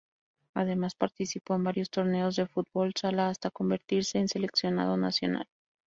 Además, participó en varios torneos de fútbol sala hasta convertirse en seleccionado nacional.